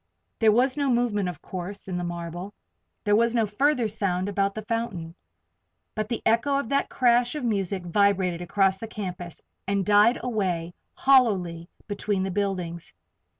There was no movement, of course, in the marble. There was no further sound about the fountain. But the echo of that crash of music vibrated across the campus and died away hollowly between the buildings.